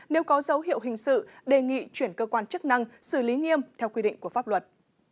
nếu có dấu hiệu hình sự đề nghị chuyển cơ quan chức năng xử lý nghiêm theo quy định của pháp luật